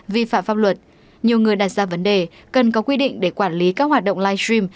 vi phạm pháp luật nhiều người đặt ra vấn đề cần có quy định để quản lý các hoạt động live stream